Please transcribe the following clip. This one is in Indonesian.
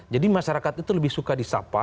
jadi masyarakat itu lebih suka disapa